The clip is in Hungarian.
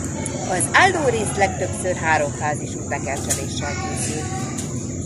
Az állórész legtöbbször háromfázisú tekercseléssel készül.